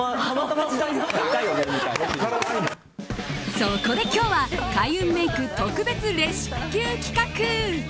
そこで今日は開運メイク特別レスキュー企画！